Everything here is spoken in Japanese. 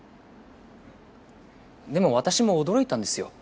でも私も驚いたんですよ。